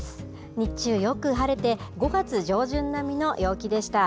日中、よく晴れて、５月上旬並みの陽気でした。